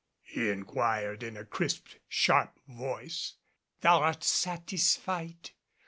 he inquired in a crisp, sharp voice. "Thou art satisfied?